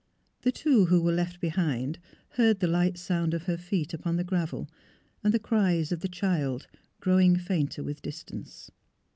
The two who were left behind heard the light sound of her feet upon the gravel, and the cries of the child, grow ing fainter with distance.